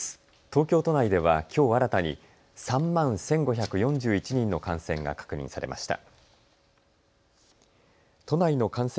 東京都内ではきょう新たに３万１５４１人の感染が確認されました。